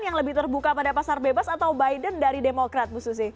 yang lebih terbuka pada pasar bebas atau biden dari demokrat bu susi